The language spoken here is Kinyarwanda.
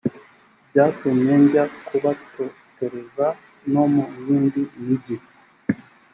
byatumye njya kubatotereza no mu yindi migi